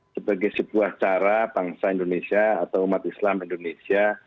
sebagai sebuah cara bangsa indonesia atau umat islam indonesia